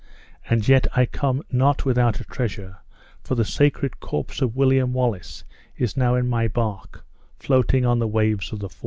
And yet I come not without a treasure, for the sacred corpse of William Wallace is now in my bark, floating on the waves of the Forth!"